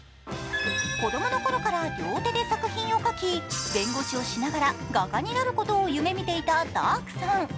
子供の頃から両手で作品を描き、弁護士をしながら画家になることを夢見ていたダークさん。